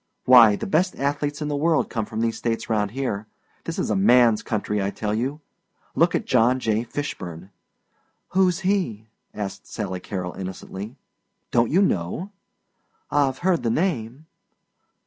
Why, the best athletes in the world come from these States round here. This is a man's country, I tell you. Look at John J. Fishburn!" "Who's he?" asked Sally Carrol innocently. "Don't you know?" "I've heard the name."